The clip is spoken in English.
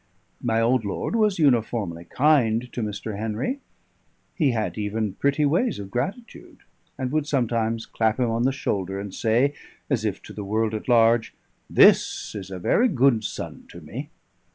My old lord was uniformly kind to Mr. Henry; he had even pretty ways of gratitude, and would sometimes clap him on the shoulder and say, as if to the world at large: "This is a very good son to me."